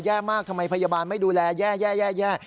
แย่มากทำไมพยาบาลไม่ดูแลแย่